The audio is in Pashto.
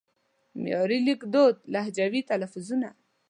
معیاري لیکدود لهجوي تلفظونه